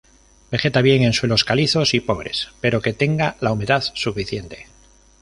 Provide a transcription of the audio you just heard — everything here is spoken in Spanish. Vegeta bien en suelos calizos y pobres, pero que tenga la humedad suficiente.